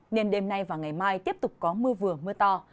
nên đêm nay và ngày mai tiếp tục có mưa vừa mưa to